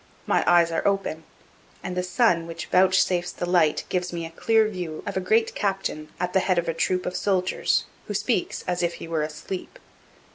My eyes are open, and the sun which vouchsafes the light gives me a clear view of a great captain at the head of a troop of soldiers, who speaks as if he were asleep.